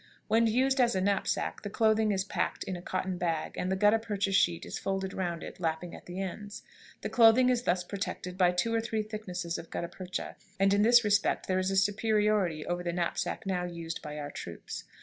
When used as a knapsack, the clothing is packed in a cotton bag, and the gutta percha sheet is folded round it, lapping at the ends. The clothing is thus protected by two or three thicknesses of gutta percha, and in this respect there is a superiority over the knapsack now used by our troops.